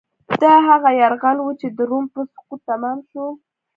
دا هغه یرغل و چې د روم په سقوط تمام شو.